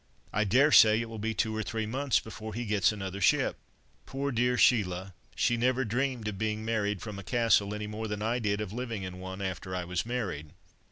I dare say it will be two or three months before he gets another ship. Poor dear Sheila, she never dreamed of being married from a castle, any more than I did of living in one after I was married."